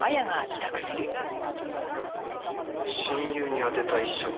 親友に宛てた遺書。